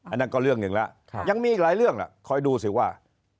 อันนั้นก็เรื่องหนึ่งล่ะยังมีหลายเรื่องล่ะ